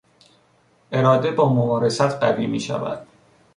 اراده با ممارست قوی میشود.